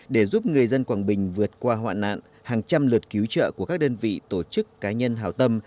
để giúp người dân quảng bình vượt qua hoạn nạn hàng trăm lượt cứu trợ của các đơn vị tổ chức cá nhân hảo tâm